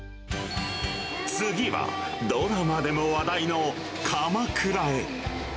次は、ドラマでも話題の鎌倉へ。